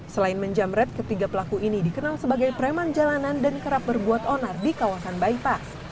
selain menjamret ketiga pelaku ini dikenal sebagai preman jalanan dan kerap berbuat onar di kawasan bypass